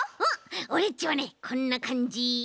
オレっちはねこんなかんじ。